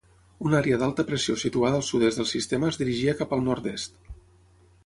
Una àrea d'alta pressió situada al sud-est del sistema es dirigia cap al nord-est.